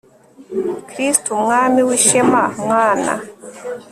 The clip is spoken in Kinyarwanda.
kristu mwami w'ishema, mwana